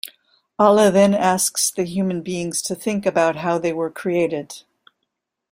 Allah then asks the human beings to think about how they were created.